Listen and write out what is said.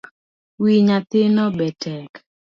Wi nyathino betek